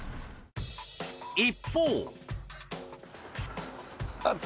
一方。